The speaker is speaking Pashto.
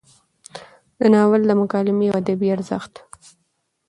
د ناول مکالمې او ادبي ارزښت: